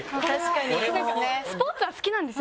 スポーツは好きなんですよ？